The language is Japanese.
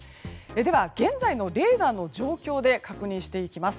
では現在のレーダーの状況で確認していきます。